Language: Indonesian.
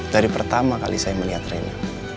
dari pertama kali saya melihat rena